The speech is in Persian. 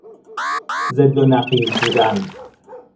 ضد و نقیض بودن